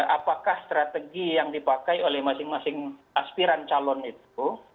apakah strategi yang dipakai oleh masing masing aspiran calon itu